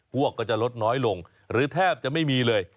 พวกก็จะลดน้อยลงหรือแทบจะไม่มีเลย